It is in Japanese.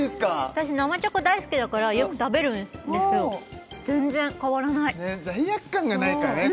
私生チョコ大好きだからよく食べるんですけど全然変わらない罪悪感がないからね